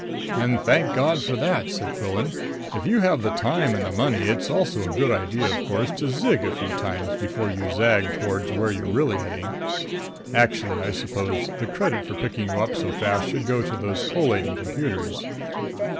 "And thank God for that!" said Quillan. "If you have the time and the money, it's also a good idea, of course, to zig a few times before you zag towards where you're really heading. Actually, I suppose, the credit for picking you up so fast should go to those collating computers."